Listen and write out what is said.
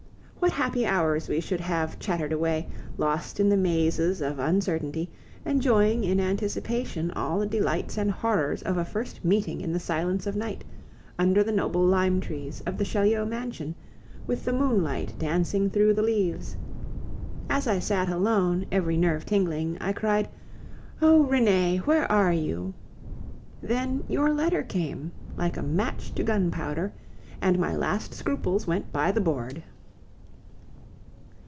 What happy hours we should have chattered away, lost in the mazes of uncertainty, enjoying in anticipation all the delights and horrors of a first meeting in the silence of night, under the noble lime trees of the Chaulieu mansion, with the moonlight dancing through the leaves! As I sat alone, every nerve tingling, I cried, "Oh! Renee, where are you?" Then your letter came, like a match to gunpowder, and my last scruples went by the board.